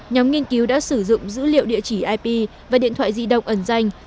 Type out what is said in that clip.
nhóm nghiên cứu đã sử dụng dữ liệu địa chỉ ip và điện thoại di động ẩn danh